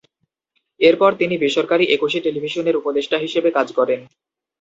এরপর তিনি বেসরকারি একুশে টেলিভিশনের উপদেষ্টা হিসেবে কাজ করেন।